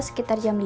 sekitar jam lima